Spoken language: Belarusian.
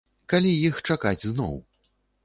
Калі іх чакаць зноў?